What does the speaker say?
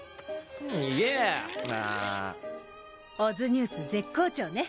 「ＯＺニュース」絶好調ね。